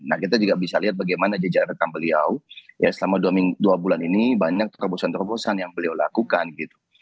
nah kita juga bisa lihat bagaimana jejak rekam beliau ya selama dua bulan ini banyak terobosan terobosan yang beliau lakukan gitu